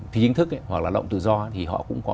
thì chính thức hoặc là lao động tự do thì họ cũng có